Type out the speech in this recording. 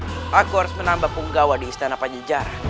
kenapa aku harus menambah penggawa di istana panjijar